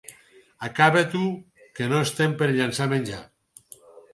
Acaba-t'ho, que no estem per llençar menjar!